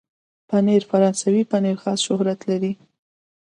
پنېر فرانسوي پنېر خاص شهرت لري.